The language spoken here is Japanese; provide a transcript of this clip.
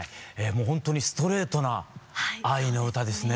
もうほんとにストレートな愛の歌ですね。